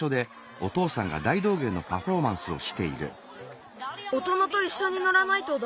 大人といっしょにのらないとダメですか？